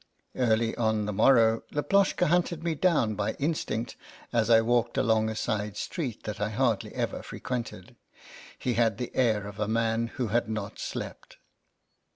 Early on the morrow Laploshka hunted me down by instinct as I walked along a side street that I hardly ever frequented. He had the air of a man who had not slept.